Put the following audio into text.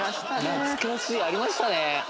ありましたね。